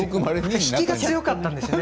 引きが強かったですよね。